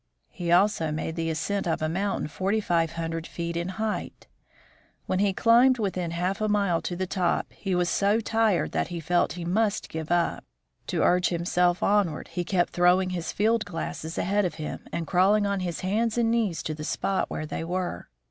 He also made the ascent of a mountain forty five hundred feet in height. When he had climbed within half a mile of the top he was so tired that he felt he must give up. To urge himself onward, he kept throwing his field glasses ahead of him, and crawling on his hands and knees to the spot where they were.